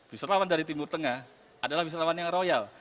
wisatawan dari timur tengah adalah wisatawan yang royal